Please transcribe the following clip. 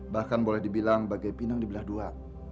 bahkan boleh dibilang bagai pinang di belah dua